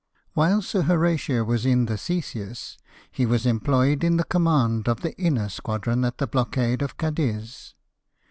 While Sir Horatio was in the Theseus he was em ployed in the command of the inner squadron at the blockade of Cadiz.